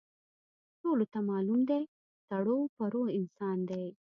ټولو ته معلوم دی، ټرو پرو انسان دی.